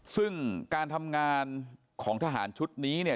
ซึ่งการทำงานของทหารชุดนี้เนี่ย